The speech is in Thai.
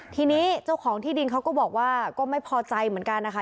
ทีนี้เจ้าของที่ดินเขาก็บอกว่าก็ไม่พอใจเหมือนกันนะคะ